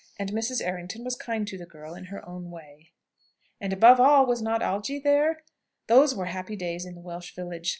And Mrs. Errington was kind to the girl in her own way. And above all, was not Algy there? Those were happy days in the Welsh village.